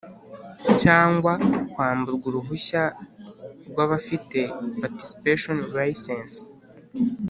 cyangwa kwamburwa uruhushya rw abafite Participation license